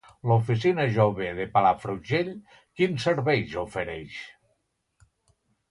L'oficina jove de Palafrugell quins serveis ofereix?